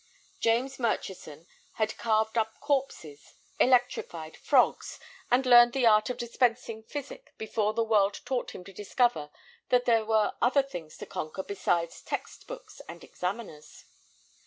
James Murchison had carved up corpses, electrified frogs, and learned the art of dispensing physic before the world taught him to discover that there were other things to conquer besides text books and examiners.